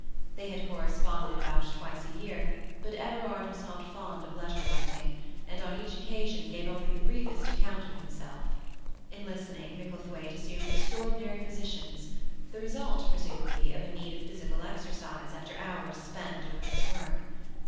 They had corresponded about twice a year, but Everard was not fond of letter writing, and on each occasion gave only the briefest account of himself. In listening, Micklethwaite assumed extraordinary positions, the result, presumably, of a need of physical exercise after hours spent over his work.